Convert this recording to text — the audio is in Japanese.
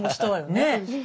ねえ。